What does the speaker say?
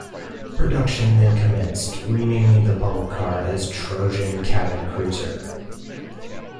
Production then commenced, renaming the bubble car as "Trojan Cabin Cruiser".